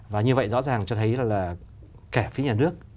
và như vậy rõ ràng cho thấy là cả phía nhà nước